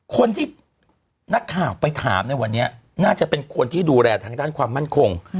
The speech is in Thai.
คนที่นักข่าวไปถามในวันนี้น่าจะเป็นคนที่ดูแลทางด้านความมั่นคง